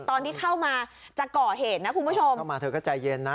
ตอนที่เข้ามาจะก่อเหตุนะคุณผู้ชมเข้ามาเธอก็ใจเย็นนะ